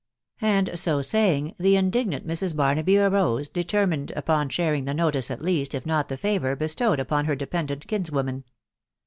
And so saying the indignant Mrs. Barnaby arose, determined upon sharing the notice at least,, if not the favour, bestowed upon her dependant kinswoman.